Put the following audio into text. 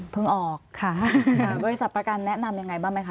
ออกค่ะบริษัทประกันแนะนำยังไงบ้างไหมคะ